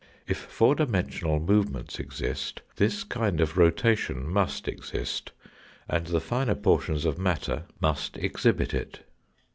If four dimensional movements exist, this kind of rotation must exist, and the finer portions of matter must exhibit it.